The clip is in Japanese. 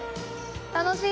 楽しい？